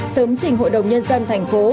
sớm chỉnh hội đồng nhân dân thành phố